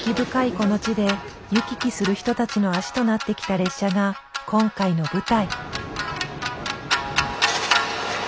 この地で行き来する人たちの足となってきた列車が今回の舞台。